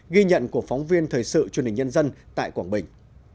ghi nhận của phóng viên thời sự truyền hình nhân dân tại quảng bình